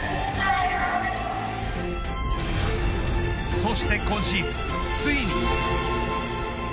そして今シーズンついに。